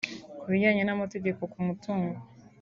ku bijyanye n’amategeko ku mutungo